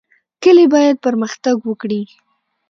کلي باید پرمختګ وکړي